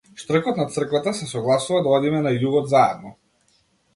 Штркот на црквата се согласува да одиме на југот заедно.